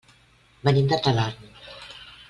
Venim de Talarn.